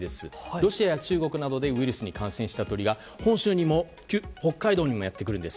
ロシアや中国などでウイルスに感染した鳥が本州にも北海道にもやってくるんです。